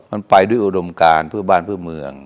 มันไปด้วยรวมการภูบาลภูมิเมือง